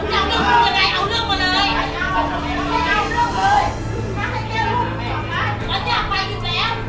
มันไม่ได้อยากจะกลับเพื่อคุณสมสารสักไหม